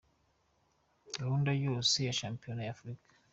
Gahunda yose ya shampiyona ya Afurika.